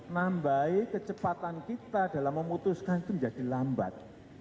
nambai kecepatan kita dalam memutuskan itu menjadi lambat